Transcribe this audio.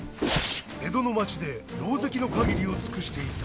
江戸の街でろうぜきの限りを尽くしていた。